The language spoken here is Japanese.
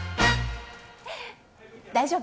大丈夫？